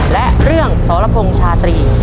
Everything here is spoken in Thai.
และเรื่องสรพงษ์ชาตรี